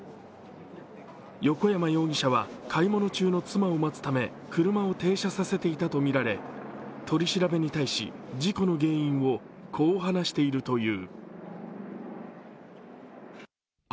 横山容疑者は買い物中の妻を待つため車を停車させていたとみられ取り調べに対し、事故の原因をこう話しているという。